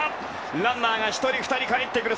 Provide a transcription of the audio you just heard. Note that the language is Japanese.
ランナーが１人、２人とかえってくる。